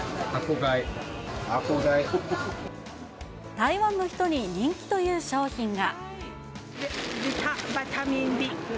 台湾の人に人気という商品が。